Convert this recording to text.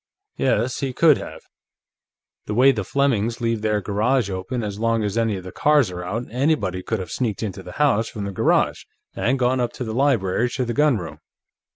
Yes, he could have. The way the Flemings leave their garage open as long as any of the cars are out, anybody could have sneaked into the house from the garage, and gone up from the library to the gunroom.